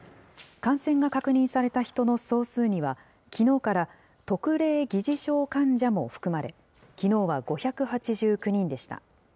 感染が確認された人の総数には、きのうから、特例疑似症患者も含まれ、きのうは５８９人でした。